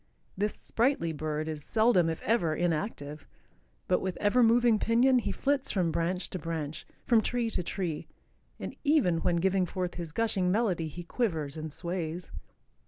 This sprightly bird is seldom, if ever, inactive, but with ever moving pinion he flits from branch to branch, from tree to tree, and even when giving forth his gushing melody he quivers and sways.